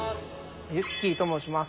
ゆっｋｅｙと申します。